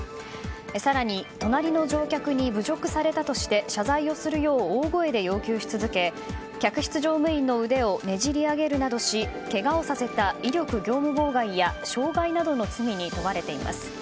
更に隣の乗客に侮辱されたとして謝罪をするよう大声で要求し続け客室乗務員の腕をねじり上げるなどしけがをさせた威力業務妨害や傷害などの罪に問われています。